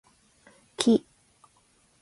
木